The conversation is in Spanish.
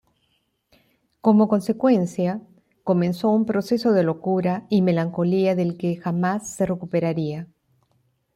Como consecuencia, comenzó un proceso de locura y melancolía del que jamás se recuperaría.